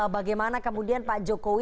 bagaimana kemudian pak jokowi